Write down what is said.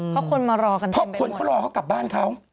เพราะคนเขารอเขากลับบ้านเขา